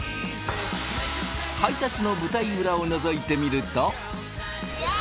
配達の舞台裏をのぞいてみると。